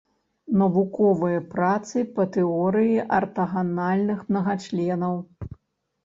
Навуковыя працы па тэорыі артаганальных мнагачленаў.